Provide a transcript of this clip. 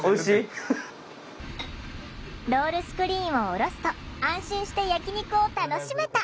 ロールスクリーンを下ろすと安心して焼き肉を楽しめた！